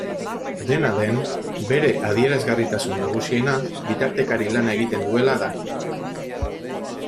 Dena den, bere adierazgarritasun nagusiena bitartekari lana egiten duela da.